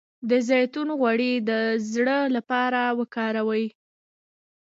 د زیتون غوړي د زړه لپاره وکاروئ